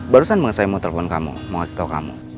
barusan saya mau telfon kamu mau kasih tau kamu